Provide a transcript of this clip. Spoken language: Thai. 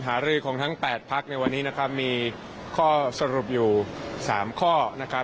หารือของทั้ง๘พักในวันนี้นะครับมีข้อสรุปอยู่๓ข้อนะครับ